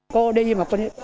cô đi mà cô đến sáu tiếng ngồi